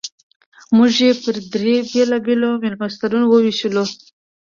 موږ یې پر درې بېلابېلو مېلمستونونو ووېشل.